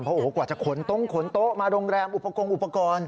เพราะกว่าจะขนโต๊ะมาโรงแรมอุปกรณ์อุปกรณ์